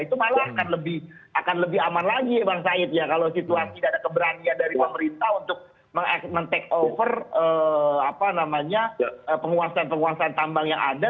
itu malah akan lebih aman lagi bang said ya kalau situasi tidak ada keberanian dari pemerintah untuk men take over penguasaan penguasaan tambang yang ada